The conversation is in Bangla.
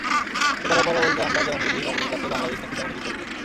এপাড়া-ওপাড়া বলতে আমরা যেমন বুঝি, পাপনের কাছে বাংলাদেশ নাকি তেমনই কিছু একটা।